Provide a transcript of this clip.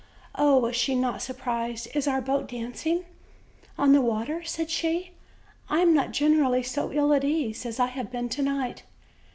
Oh! was she not surprised! "Is. our boat dancing OLD, OLD FAIRY TALES. 181 on the water?" said she. "I am not generally so ill at ease as I have been to night."